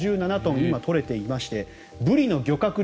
今、取れていましてブリの漁獲量